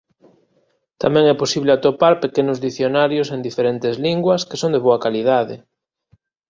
Tamén é posible atopar pequenos dicionarios en diferentes linguas que son de boa calidade.